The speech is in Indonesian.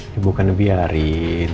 ya bukan biarin